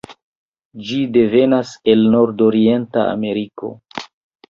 Ĝi devenas el nordorienta Ameriko.